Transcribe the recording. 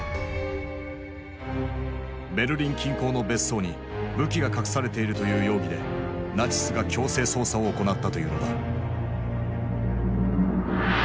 ベルリン近郊の別荘に武器が隠されているという容疑でナチスが強制捜査を行ったというのだ。